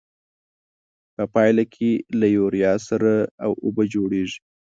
په پایله کې له یوریا سره او اوبه جوړیږي.